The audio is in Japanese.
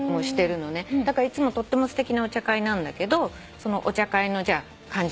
だからいつもとってもすてきなお茶会なんだけどそのお茶会の感じもちょっと。